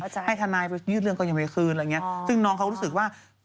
ซึ่งนังเค้ารู้สึกว่า